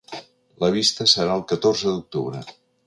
La vista serà el catorze d’octubre.